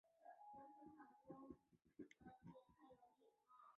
双方关系呈现紧张态势。